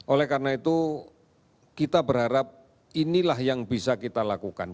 oleh karena itu kita berharap inilah yang bisa kita lakukan